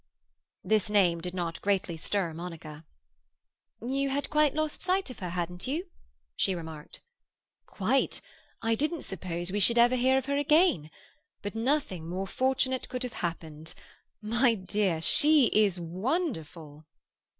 This name did not greatly stir Monica. "You had quite lost sight of her, hadn't you?" she remarked. "Quite. I didn't suppose we should ever hear of her again. But nothing more fortunate could have happened. My dear, she is wonderful!"